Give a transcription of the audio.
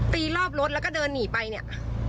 รอบรถแล้วก็เดินหนีไปเนี่ย